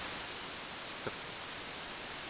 ceteq